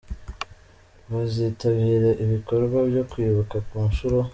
bazitabira ibikorwa byo kwibuka ku nshuro.